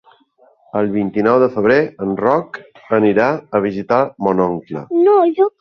El vint-i-nou de febrer en Roc anirà a visitar mon oncle.